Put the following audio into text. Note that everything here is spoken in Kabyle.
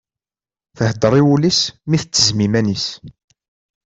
Thedder i wul-is mi tettezzem iman-is.